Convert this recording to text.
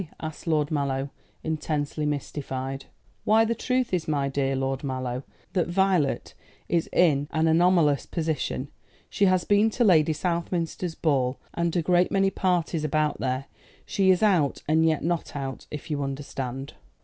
asked Lord Mallow, intensely mystified. "Why, the truth is, my dear Lord Mallow, that Violet is in an anomalous position. She has been to Lady Southminster's ball, and a great many parties about here. She is out and yet not out, if you understand."